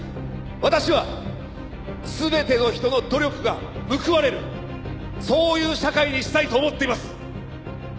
「私は全ての人の努力が報われるそういう社会にしたいと思っています」